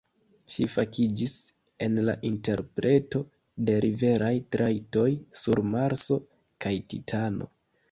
Ŝi fakiĝis en la interpreto de riveraj trajtoj sur Marso kaj Titano.